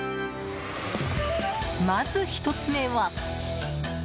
まず、１つ目は。